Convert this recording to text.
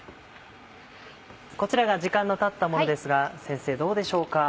こちらが時間のたったものですが先生どうでしょうか？